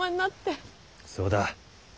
そうだ。